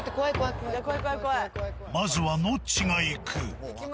まずはノッチが行く。